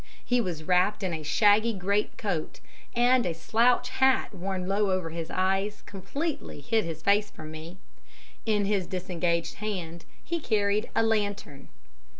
He was wrapped in a shaggy great coat, and a slouch hat worn low over his eyes completely hid his face from me. In his disengaged hand he carried a lantern.